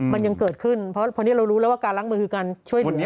มันยังเกิดขึ้นเพราะนี้เรารู้แล้วว่าการล้างมือคือการช่วยเหลือ